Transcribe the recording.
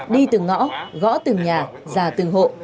đi từ ngõ gõ từ nhà ra từ hộ